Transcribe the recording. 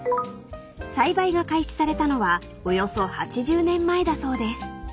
［栽培が開始されたのはおよそ８０年前だそうです］